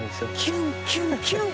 キュンキュンキュン